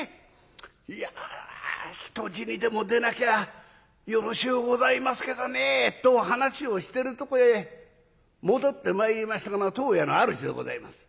いや人死にでも出なきゃよろしゅうございますけどね」と話をしてるとこへ戻ってまいりましたのが当家のあるじでございます。